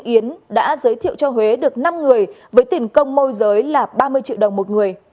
yến đã giới thiệu cho huế được năm người với tiền công môi giới là ba mươi triệu đồng một người